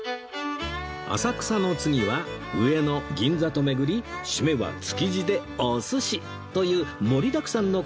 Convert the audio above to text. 浅草の次は上野銀座と巡り締めは築地でお寿司という盛りだくさんのコースになりました